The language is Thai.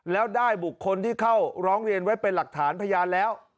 แล้วได้บุคคลที่เข้าร้องเรียนไว้เป็นหลักฐานพยานแล้ว